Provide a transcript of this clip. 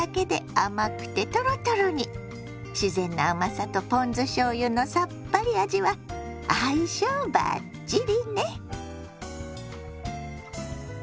自然な甘さとポン酢しょうゆのさっぱり味は相性バッチリね。